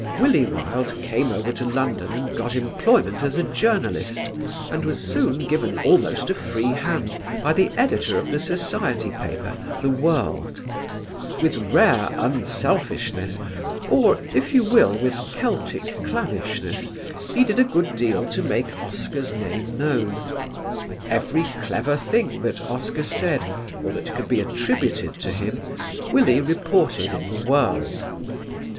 Willie Wilde came over to London and got employment as a journalist and was soon given almost a free hand by the editor of the society paper The World. With rare unselfishness, or, if you will, with Celtic clannishness, he did a good deal to make Oscar's name known. Every clever thing that Oscar said or that could be attributed to him, Willie reported in The World.